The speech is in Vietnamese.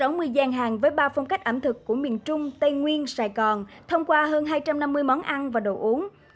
trong sáu mươi gian hàng với ba phong cách ẩm thực của miền trung tây nguyên sài gòn thông qua hơn hai trăm năm mươi món ăn và đồ uống